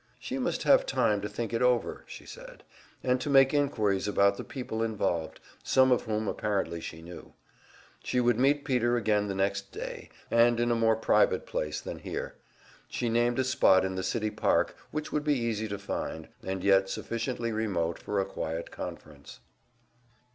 She must have time to think it over, she said, and to make inquiries about the people involved some of whom apparently she knew. She would meet Peter again the next day, and in a more private place than here. She named a spot in the city park which would be easy to find, and yet sufficiently remote for a quiet conference.